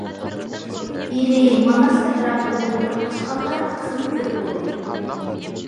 ئىلى، ماناس ئەتراپىدا ئولتۇراقلاشقانلار تېخىمۇ كۆپ بولدى.